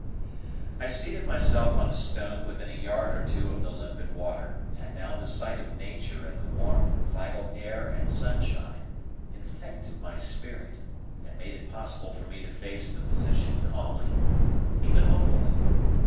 I seated myself on a stone within a yard or two of the limpid water; and now the sight of nature and the warm, vital air and sunshine infected my spirit and made it possible for me to face the position calmly, even hopefully.